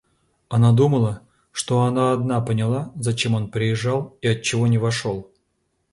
Она думала, что она одна поняла, зачем он приезжал и отчего не вошел.